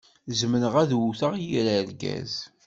Zemreɣ ad wwteɣ yir argaz.